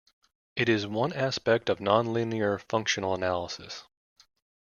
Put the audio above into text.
It is one aspect of nonlinear functional analysis.